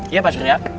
iya pak suria